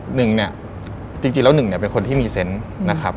หนึ่งเนี่ยจริงแล้วหนึ่งเนี่ยเป็นคนที่มีเซนต์นะครับ